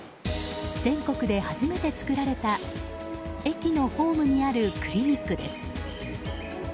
全国で初めて作られた駅のホームにあるクリニックです。